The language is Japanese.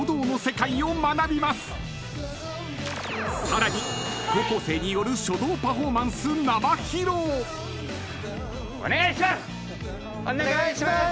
［さらに高校生による書道パフォーマンス生披露］お願いします！